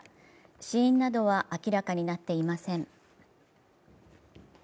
死因などは明らかになっていません。